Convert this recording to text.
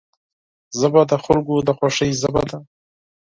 ژبه د خلکو د خوښۍ ژبه ده